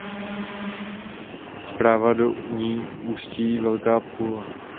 Zprava do ní ústí Velká Pula.